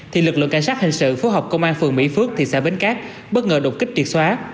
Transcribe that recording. thì lực lượng cảnh sát hình sự phối hợp công an phường mỹ phước thị xã bến cát bất ngờ đột kích triệt xóa